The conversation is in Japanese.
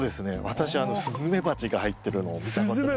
私スズメバチが入ってるのを見たことがあります。